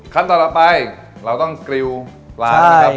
ครับต่อไปเราต้องกรีวปลานะครับผม